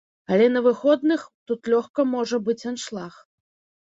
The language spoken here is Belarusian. Але на выходных тут лёгка можа быць аншлаг.